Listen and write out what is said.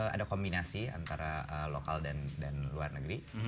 ada kombinasi antara lokal dan luar negeri